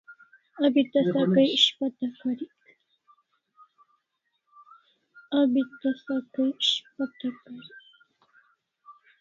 Abi tasa kay ishpata karik